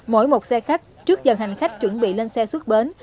mỗi một xe khách trước giờ hành khách chuẩn bị lên xe xuất bến